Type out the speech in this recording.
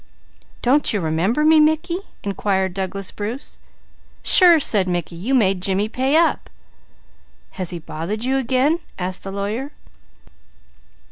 "Don't you remember me, Mickey?" inquired Douglas Bruce. "Sure!" said Mickey. "You made Jimmy pay up!" "Has he bothered you again?" asked the lawyer.